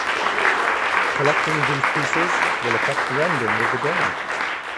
Collecting these pieces will affect the ending of the game.